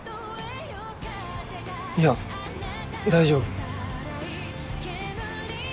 いや大丈夫。